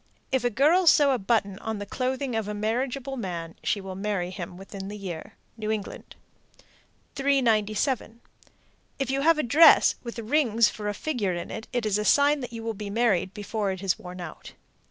If a girl sew a button on the clothing of a marriageable man, she will marry him within the year. New England. 397. If you have a dress with rings for a figure in it, it is a sign you will be married before it is worn out.